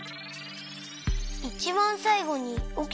いちばんさいごにおきたこと？